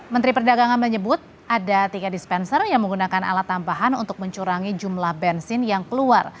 menteri perdagangan menyebut ada tiga dispenser yang menggunakan alat tambahan untuk mencurangi jumlah bensin yang keluar